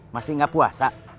masih gak puasa